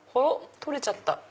取れちゃった！